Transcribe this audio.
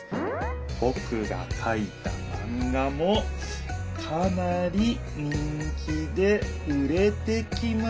ぼくがかいたマンガもかなり人気で売れてきましたよ」っと！